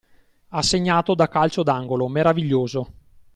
Ha segnato da calcio d'angolo, meraviglioso!